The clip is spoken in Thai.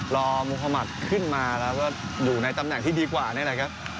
มุธมัติขึ้นมาแล้วก็อยู่ในตำแหน่งที่ดีกว่านี่แหละครับ